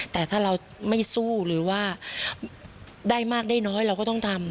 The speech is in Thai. แต่ถ้าเราไม่สู้หรือว่าได้มากได้น้อยเราก็ต้องทำ